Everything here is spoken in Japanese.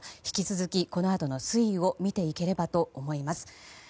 引き続き、このあとの推移を見ていければと思います。